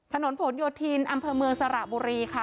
ถนนผลโยธินอำเภอเมืองสระบุรีค่ะ